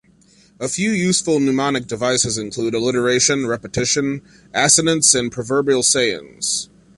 A few useful mnemonic devices include alliteration, repetition, assonance, and proverbial sayings.